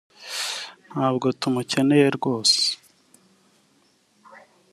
Ntabwo tumukeneye rwose